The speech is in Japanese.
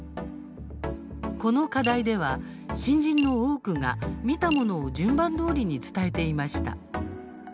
この課題では、新人の多くが見たものを順番どおりに伝えていました。